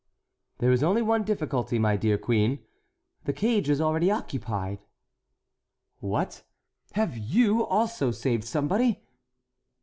"There is only one difficulty, my dear queen: the cage is already occupied." "What, have you also saved somebody?"